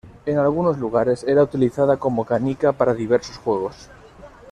En algunos lugares era utilizada como canica para diversos juegos.